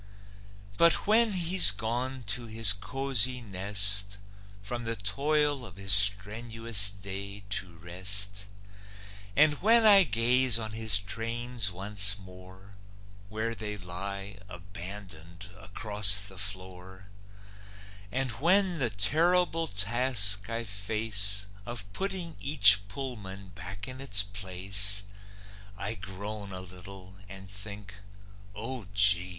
But when he's gone to his cozy nest, From the toil of his strenuous day to rest, And when I gaze on his trains once more, Where they lie, abandoned, across the floor, And when the terrible task I face Of putting each "Pullman" back in its place, I groan a little, and think, "O gee!